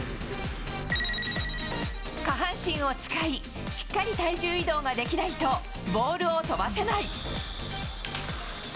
下半身を使い、しっかり体重移動ができないと、ボールを飛ばせない。